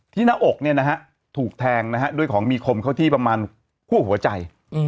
หน้าอกถูกแทงด้วยของมีคมเข้าที่ประมาณคั่วหัวใจ